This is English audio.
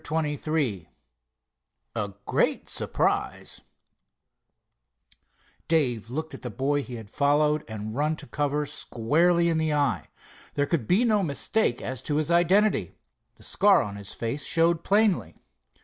CHAPTER XXIII A GREAT SURPRISE Dave looked the boy he had followed and run to cover squarely in the eye. There could be no mistake as to his identity. The scar on his face showed plainly.